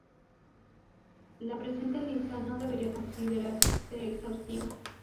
La presente lista no debería considerarse exhaustiva.